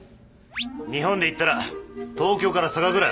日本で言ったら東京から佐賀ぐらいあるんだぞ。